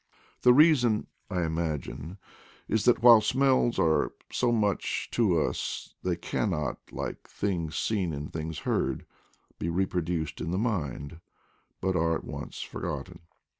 The reason, I imagine, is that while smells are so much to us they cannot, like things seen and things heard, be reproduced in the mind, but are 238 IDLE DAYS IN PATAGONIA! at once forgotten.